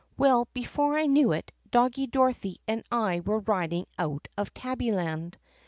"Well, before I knew it, Doggie Dorothy and I were riding out of Tabbyland.